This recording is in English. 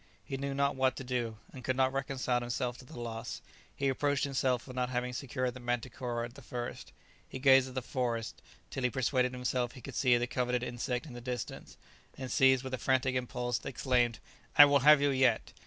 _] He knew not what to do, and could not reconcile himself to the loss; he reproached himself for not having secured the manticora at the first; he gazed at the forest till he persuaded himself he could see the coveted insect in the distance, and, seized with a frantic impulse, exclaimed, "I will have you yet!"